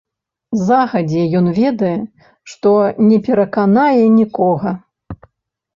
Загадзе ён ведае, што не пераканае нікога.